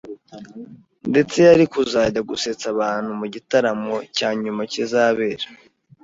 ndetse yari kuzajya gusetsa abantu mu gitaramo cya nyuma kizabera